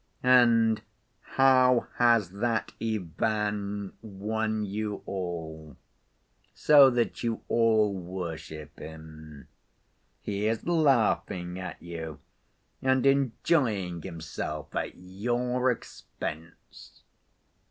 And how has that Ivan won you all, so that you all worship him? He is laughing at you, and enjoying himself at your expense."